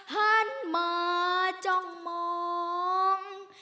หันมาจ้องมอง